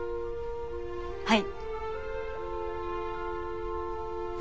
はい。